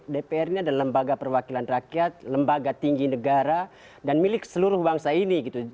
dpr ini adalah lembaga perwakilan rakyat lembaga tinggi negara dan milik seluruh bangsa ini gitu